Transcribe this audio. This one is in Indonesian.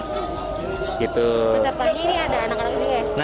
masa pagi ini ada anak anak ini ya